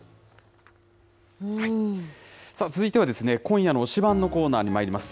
続いては、今夜の推しバン！のコーナーにまいります。